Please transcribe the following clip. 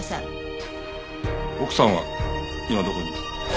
奥さんは今どこに？